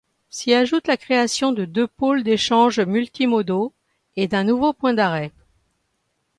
S'y ajoute la création de deux pôles d'échange multimodaux et d'un nouveau point d'arrêt.